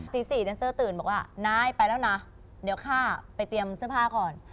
ตี๔แดนเซอร์ตื่นบอกว่านายไปแล้วนะเดี๋ยวข้าไปเตรียมเสื้อผ้าก่อน